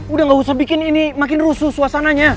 udah gak usah bikin ini makin rusuh suasananya